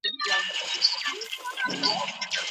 په لاس لیکل د پرمختګ د کچي معلومولو وسیله ده.